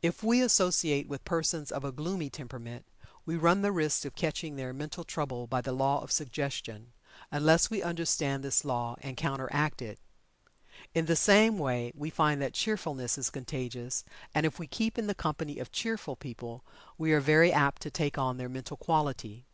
If we associate with persons of a gloomy temperament, we run the risk of "catching" their mental trouble by the law of suggestion, unless we understand this law and counteract it. In the same way we find that cheerfulness is contagious, and if we keep in the company of cheerful people we are very apt to take on their mental quality.